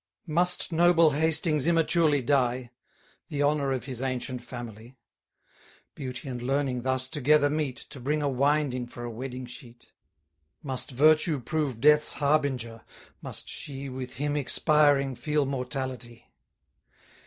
Must noble Hastings immaturely die, The honour of his ancient family; Beauty and learning thus together meet, To bring a winding for a wedding sheet? Must Virtue prove Death's harbinger? must she, With him expiring, feel mortality?